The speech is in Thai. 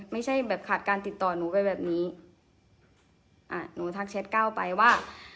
ไม่ใช่แบบขาดการติดต่อหนูไปแบบนี้อ่าหนูทักแชทก้าวไปว่า